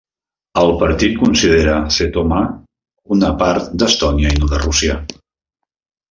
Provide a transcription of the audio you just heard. El partit considera Setomaa una part d'Estònia i no de Rússia.